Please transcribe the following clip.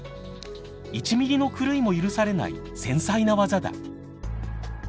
１ミリの狂いも許されない繊細な技だ。